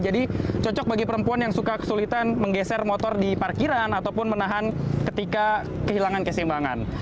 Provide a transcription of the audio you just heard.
jadi cocok bagi perempuan yang suka kesulitan menggeser motor di parkiran ataupun menahan ketika kehilangan keseimbangan